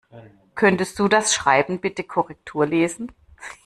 Könntest du das Schreiben bitte Korrektur lesen?